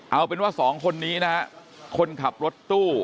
เอาเป็นว่าสองคนนี้นะฮะคนขับรถตู้